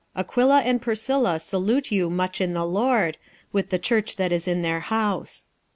Aquila and Priscilla salute you much in the Lord, with the church that is in their house.